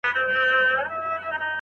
املا دې سمېږي.